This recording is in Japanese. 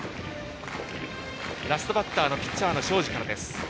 ラストバッターピッチャーの庄司から。